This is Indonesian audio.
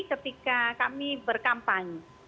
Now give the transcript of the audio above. ketika kami berkampanye